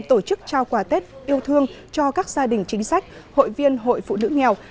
tổ chức trao quà tết yêu thương cho các gia đình chính sách hội viên hội phụ nữ nghèo